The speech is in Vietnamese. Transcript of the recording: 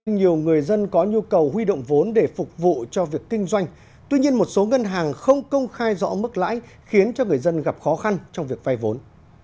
nhiều người dân có nhu cầu huy động vốn để phục vụ cho việc kinh doanh tuy nhiên một số ngân hàng không công khai rõ mức lãi khiến cho người dân gặp khó khăn trong việc vay vốn